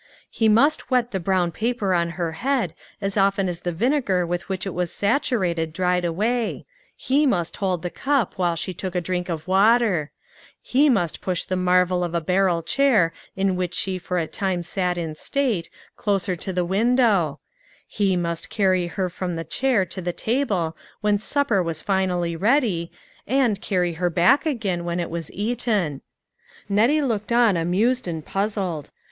He must wet the brown paper on her head as often 4s the vinegar with which it was saturated dried away ; he must hold the cup while she took a drink of water; he must push the marvel of a barrel chair in which she for a time sat in state, closer to the window ; he must carry her from the chair to the table when supper was finally ready, and carry her back again when it was eaten. Nettie looked on amused and puzzled.